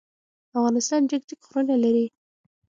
افغانستان جګ جګ غرونه لری.